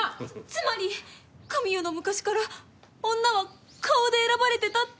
つまり神代の昔から女は顔で選ばれてたって事ですか？